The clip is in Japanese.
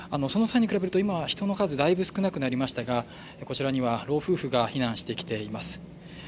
その際に比べると今は人の数、だいぶ少なくなりましたがこちらには老夫婦が避難してきています。